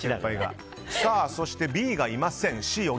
そして、Ｂがいません。